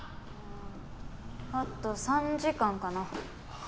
あと３時間かな。